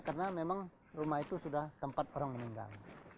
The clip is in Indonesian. karena memang rumah itu sudah tempat orang meninggal